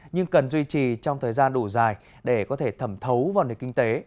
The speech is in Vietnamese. nhưng cần duy trì trong thời gian đủ dài để có thể thẩm thấu vào nền kinh tế